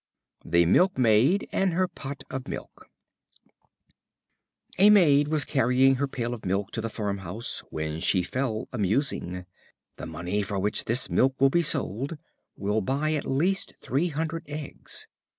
The Milkmaid and her Pot of Milk. A Maid was carrying her pail of milk to the farm house, when she fell a musing. "The money for which this milk will be sold will buy at least three hundred eggs.